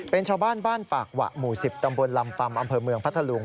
เป็นชาวบ้านบ้านปากหวะหมู่๑๐ตำบลลำปำอำเภอเมืองพัทธลุง